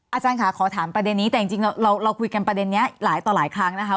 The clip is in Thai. อาจารย์ค่ะขอถามประเด็นนี้แต่จริงเราคุยกันประเด็นนี้หลายต่อหลายครั้งนะคะ